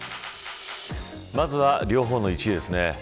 まずは両方の１位ですね。